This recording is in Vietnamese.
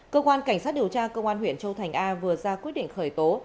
cơ quan cảnh sát điều tra cơ quan huyện châu thành a vừa ra quyết định khởi tố